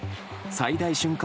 最大瞬間